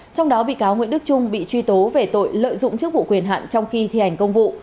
trong đó bị cáo nguyễn đức trung bị truy tố về tội lợi dụng chức vụ quyền hạn trong khi thi hành công vụ